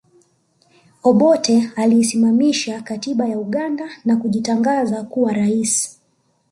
Obote aliisimamisha katiba ya Uganda na kujitangaza kuwa rais